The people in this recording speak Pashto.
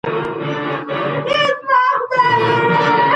د هېواد بهرنیو پالیسي د سولي ټینګښت ته ژمنه نه ده.